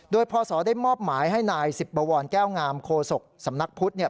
โดยพศได้มอบหมายให้นายสิบบวรแก้วงามโคศกสำนักพุทธเนี่ย